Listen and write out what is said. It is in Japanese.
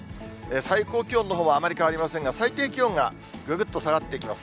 最高気温のほうはあまり変わりませんが、最低気温がぐぐっと下がっていきます。